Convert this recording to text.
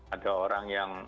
ada orang yang